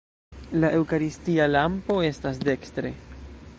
La eŭkaristia lampo estas dekstre.